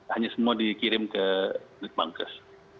hanya semua dikirim ke litbangkes